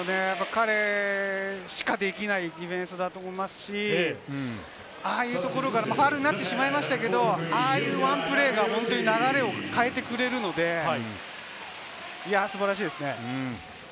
彼しかできないディフェンスだと思いますし、ああいうところからファウルになってしまいましたけど、ああいうワンプレーが流れを変えてくれるので、素晴らしいですね。